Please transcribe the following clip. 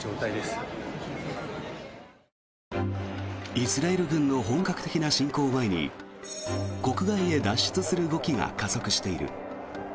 イスラエル軍の本格的な侵攻を前に国外へ脱出する動きが加速している。